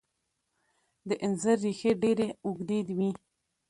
د انځر ریښې ډیرې اوږدې وي.